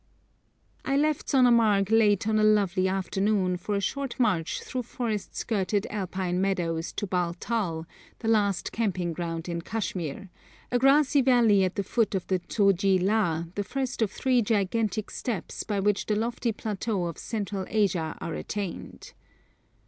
I left Sonamarg late on a lovely afternoon for a short march through forest skirted alpine meadows to Baltal, the last camping ground in Kashmir, a grassy valley at the foot of the Zoji La, the first of three gigantic steps by which the lofty plateaux of Central Asia are attained.